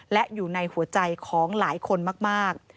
และอยู่ในหัวใจของหลายคนมาก